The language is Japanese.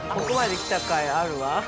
ここまで来たかいあるわ。